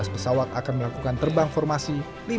empat belas pesawat akan melakukan terbang flypass